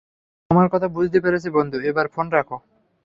ও তোমার কথা বুঝতে পেরেছে বন্ধু, এবার ফোন রাখো।